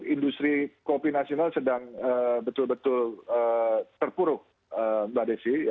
industri kopi nasional sedang betul betul terpuruk mbak desi